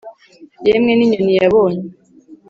Yemwe n inyoni yabonye